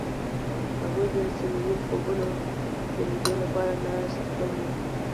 هغوی د صمیمي خوبونو د لیدلو لپاره ناست هم وو.